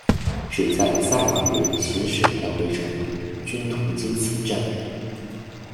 只在赛马日行驶来回程均途经此站。